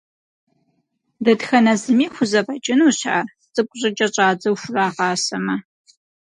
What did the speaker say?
Дэтхэнэ зыми хузэфӏэкӏынущ ар, цӏыкӏу щӏыкӏэ щӏадзэу хурагъэсамэ.